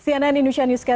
sian nani nusyanyuska